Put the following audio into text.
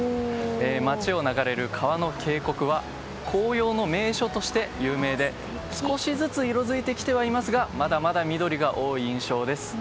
町を流れる川の渓谷は紅葉の名所として有名で少しずつ色づいてきてはいますがまだまだ緑が多い印象です。